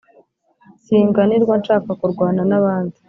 Singanirwa nshaka kurwana nabandi